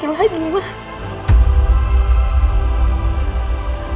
kenapa dia yang terus muncul sih mbak